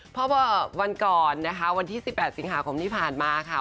เพราะว่าวันก่อนนะคะวันที่๑๘สิงหาคมที่ผ่านมาค่ะ